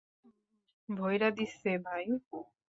ভইরা দিসে, ভাই।